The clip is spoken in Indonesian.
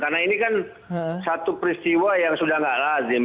karena ini kan satu peristiwa yang sudah tidak lazim